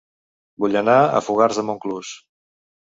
Vull anar a Fogars de Montclús